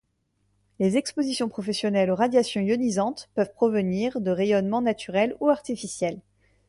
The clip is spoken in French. Les expositions professionnelles aux radiations ionisantes peuvent provenir de rayonnements naturels ou artificiels.